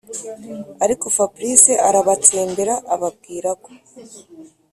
ariko fabric arabatsembera ababwira ko